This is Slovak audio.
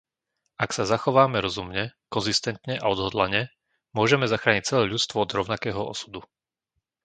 Ak sa zachováme rozumne, konzistentne a odhodlane, môžeme zachrániť celé ľudstvo od rovnakého osudu,